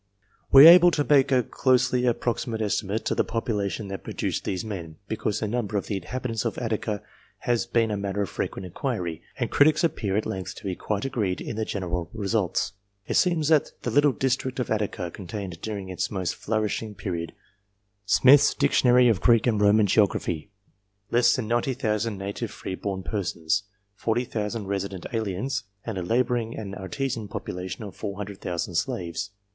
We are able to make a closely approximate estimate of the population that produced these men, because the num ber of the inhabitants of Attica has been a matter of frequent inquiry, and critics appear at length to be quite agreed in the general results. It seems that the little district of Attica contained, during its most flourishing period (Smith's "Class. Geog. Diet."), less than 90,000 native free born persons, 40,000 resident aliens, and a labour ing and artisan population of 400,000 slaves.